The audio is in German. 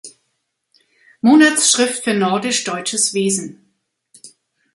Monatsschrift für nordisch-deutsches Wesen.